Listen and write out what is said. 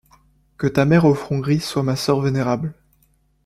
Que ta mère au front gris soit ma sœur vénérable!